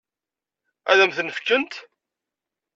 Ad m-ten-fkent?